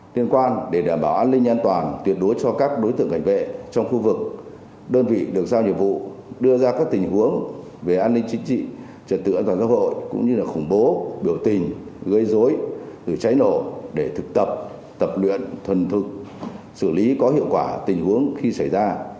liên quan để đảm bảo an ninh an toàn tuyệt đối cho các đối tượng cảnh vệ trong khu vực đơn vị được giao nhiệm vụ đưa ra các tình huống về an ninh chính trị trật tự an toàn giao thông cũng như là khủng bố biểu tình gây dối cháy nổ để thực tập tập luyện thuần thực xử lý có hiệu quả tình huống khi xảy ra